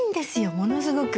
ものすごく。